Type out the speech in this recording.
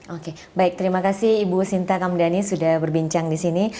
oke baik terima kasih ibu sinta kamdhani sudah berbincang di sini